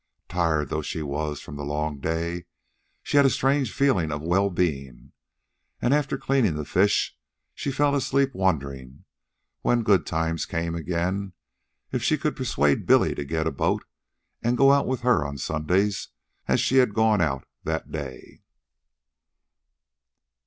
Tired though she was from the long day, she had a strange feeling of well being, and, after cleaning the fish, she fell asleep wondering, when good times came again, if she could persuade Billy to get a boat and go out with her on Sundays as she had gone out that day.